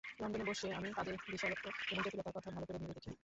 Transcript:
লন্ডনে বসে আমি কাজের বিশালত্ব এবং জটিলতার কথা ভালো করে ভেবে দেখি।